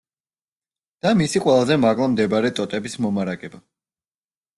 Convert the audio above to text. და მისი ყველაზე მაღლა მდებარე ტოტების მომარაგება.